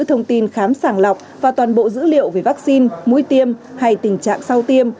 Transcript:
thông tin khám sàng lọc và toàn bộ dữ liệu về vaccine mũi tiêm hay tình trạng sau tiêm